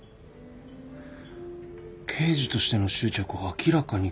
刑事としての執着を明らかに超えている。